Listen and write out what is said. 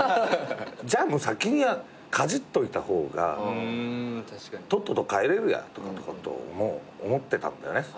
じゃあもう先にかじっといた方がとっとと帰れるやってことを思ってたんだよね。